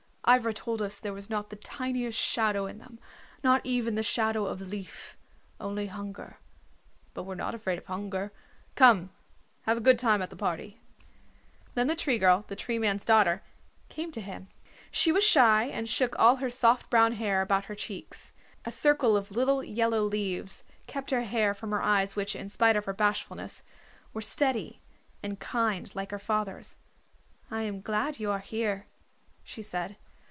Ivra told us there was not the tiniest shadow in them, not even the shadow of leaf. Only hunger. But we're not afraid of hunger. Come, have a good time at the party." Then the Tree Girl, the Tree Man's daughter, came to him. She was shy, and shook all her soft brown hair about her cheeks. A circle of little yellow leaves kept her hair from her eyes, which, in spite of her bashfulness, were steady and kind like her father's. "I am glad you are here." she said.